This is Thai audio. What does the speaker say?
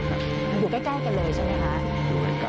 อยู่ใกล้กันเลยใช่ไหมคะ